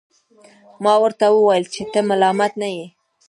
ما ورته وویل چي ته ملامت نه یې.